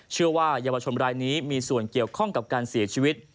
เชื่อว่าเยาวชนรายนี้มีส่วนเกี่ยวข้องกับการเสียชีวิต